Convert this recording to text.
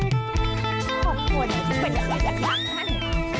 ครอบครัวไหนจะเป็นอย่างยักษ์บ้างนะเนี่ย